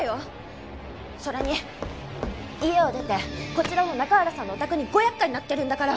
それに家を出てこちらの中原さんのお宅にご厄介になってるんだから！